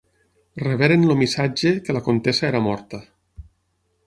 Reberen el missatge que la comtessa era morta.